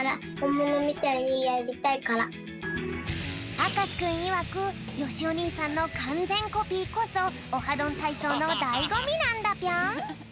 あかしくんいわくよしおにいさんのかんぜんコピーこそ「オハどんたいそう」のだいごみなんだぴょん！